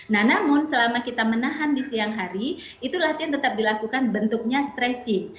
nah namun selama kita menahan di siang hari itu latihan tetap dilakukan bentuknya stretching